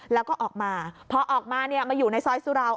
แล้วก็ออกมาพอออกมาเนี่ยมาอยู่ในซอยสุราว